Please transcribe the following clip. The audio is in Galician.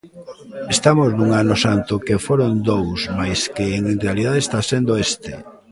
Estamos nun Ano Santo que foron dous, mais que en realidade está sendo este.